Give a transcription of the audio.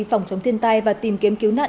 phòng chống thiên tai và tìm kiếm cứu nạn